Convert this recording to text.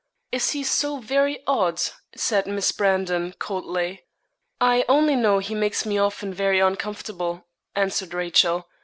'Is he so very odd?' said Miss Brandon, coldly. 'I only know he makes me often very uncomfortable,' answered Rachel.